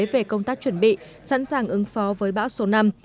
về công tác chuẩn bị sẵn sàng ứng phó với bão số năm